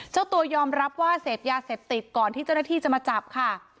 เจ้าตัวยอมรับว่าเสพยาเสพติดก่อนที่เจ้าหน้าที่จะมาจับค่ะ